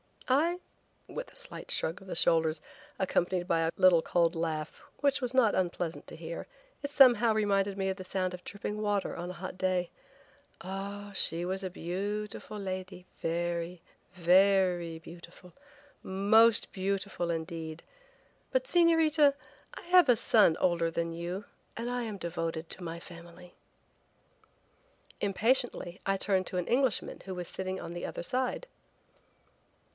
"I!" with a slight shrug of the shoulders, accompanied by a little cold laugh, which was not unpleasant to hear; it somehow reminded me of the sound of dripping water on a hot day. "Ah, she was a beautiful lady, very, ver ry beautiful, most beautiful, indeed, but Señorita, I have a son older than you and I am devoted to my family." Impatiently I turned to an Englishman who was sitting on the other side.